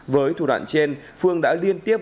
với thủ đoạn trên phương đã liên tiếp